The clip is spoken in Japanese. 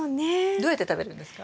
どうやって食べるんですか？